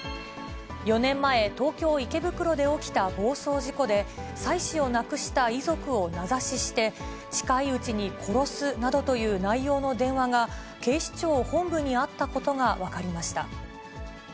４年前、東京・池袋で起きた暴走事故で、妻子を亡くした遺族を名指しして、近いうちに殺すなどという内容の電話が、警視庁本部にあったことが分かりました。